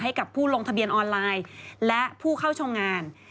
ให้กับผู้ลงทะเบียนออนไลน์และผู้เข้าชมงาน